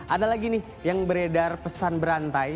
ada lagi nih yang beredar pesan berantai